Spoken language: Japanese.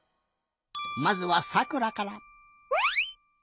まずはさくらから。